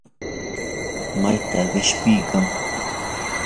¿mayta qishpinki?